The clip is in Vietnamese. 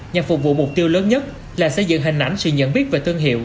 nhằm phục vụ mục tiêu lớn nhất là xây dựng hình ảnh sự nhận biết về thương hiệu